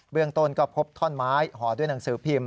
เรื่องต้นก็พบท่อนไม้ห่อด้วยหนังสือพิมพ์